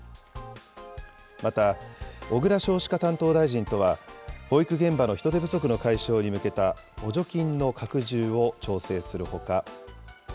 また、小倉少子化担当大臣とは、保育現場の人手不足の解消に向けた補助金の拡充を調整するほか。